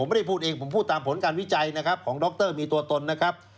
ไม่ได้พูดเองผมพูดตามผลการวิจัยนะครับของดรมีตัวตนนะครับ